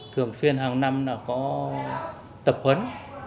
thường xuyên hàng năm là có tập huấn